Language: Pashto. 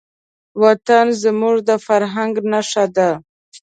وطن زموږ د فرهنګ نښه ده.